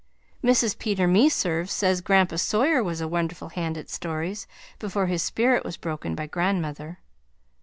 Mrs. Peter Meserve says Grandpa Sawyer was a wonderful hand at stories before his spirit was broken by grandmother.